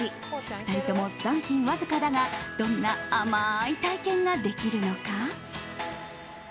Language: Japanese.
２人とも残金わずかだがどんな甘い体験ができるのか。